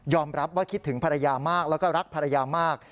รับว่าคิดถึงภรรยามากแล้วก็รักภรรยามาก